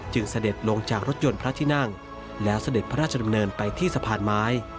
เสด็จลงจากรถยนต์พระที่นั่งแล้วเสด็จพระราชดำเนินไปที่สะพานไม้